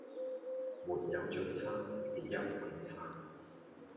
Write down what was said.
沒有最差只有更差